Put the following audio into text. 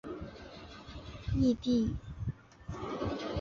异被地杨梅为灯心草科地杨梅属下的一个种。